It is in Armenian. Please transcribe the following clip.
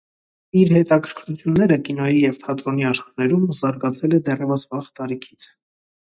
Իր հետաքրքիրությունները կինոյի և թատրոնի աշխարհներում զարգացել է դեռևս վաղ տարիքից։